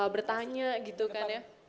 bertanya gitu kan ya